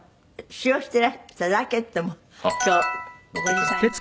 使用していらしたラケットも今日ご持参いただいて。